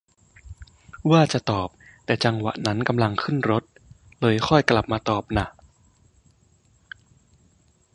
ว่าจะตอบ แต่จังหวะนั้นกำลังขึ้นรถ เลยค่อยกลับมาตอบน่ะ